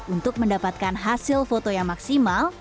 untuk mendapatkan hasil foto yang maksimal